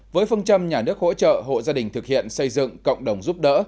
với phương châm nhà nước hỗ trợ hộ gia đình thực hiện xây dựng cộng đồng giúp đỡ